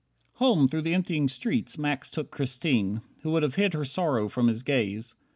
26 Home, through the emptying streets, Max took Christine, Who would have hid her sorrow from his gaze.